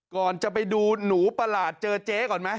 ก่อนจะไปดูหนูประหลาดเจอเจ๊ก่อนไหม